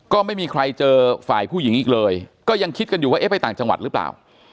ก็ไม่มีใครเจอฝ่ายผู้หญิงอีกเลยก็ยังคิดกันอยู่ว่าเอ๊ะไปต่างจังหวัดหรือเปล่า